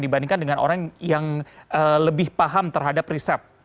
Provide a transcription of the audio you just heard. dibandingkan dengan orang yang lebih paham terhadap riset